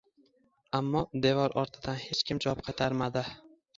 Ammo devor ortidan hech kim javob qaytarmadi.